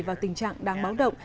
và tình trạng đang báo động